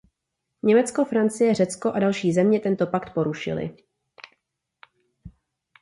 Německo, Francie, Řecko a další země tento pakt porušily.